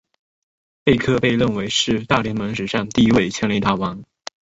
贝克被认为是大联盟史上第一位全垒打王。